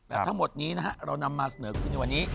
แต่ทั้งหมดนี้นะฮะเรานำมาเสนอขึ้นในวันนี้